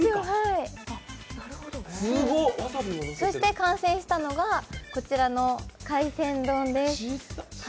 そして完成したのがこちらの海鮮丼です。